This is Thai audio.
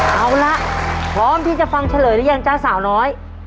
เอาละพร้อมที่จะฟังเฉลยหรือยังจ๊ะสาวน้อย